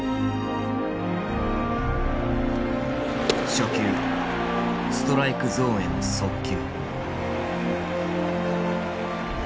初球ストライクゾーンへの速球。